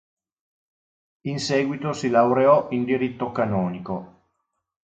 In seguito si laureò in diritto canonico.